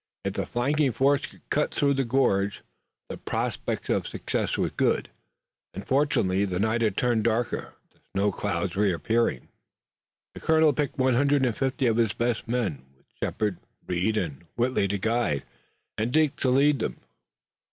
If the flanking force could cut through the gorge the prospect of success was good, and fortunately the night had turned darker, the snow clouds reappearing. The colonel picked one hundred and fifty of his best men, with Shepard, Reed and Whitley to guide, and Dick to lead them.